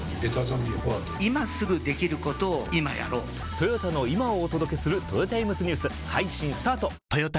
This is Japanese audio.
トヨタの今をお届けするトヨタイムズニュース配信スタート！！！